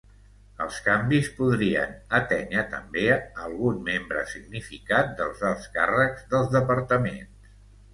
Els canvis podrien atènyer també algun membre significat dels alts càrrecs dels departaments.